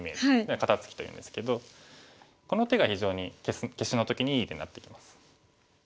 肩ツキというんですけどこの手が非常に消しの時にいい手になってきます。